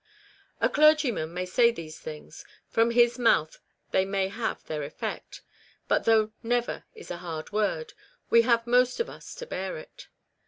A clergyman may say these things ; from his REBECCAS REMORSE. 215 mouth they may have their effect ; but though "Never" is a hard word, we have most of us to bear it.